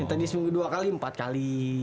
tadi seminggu dua kali empat kali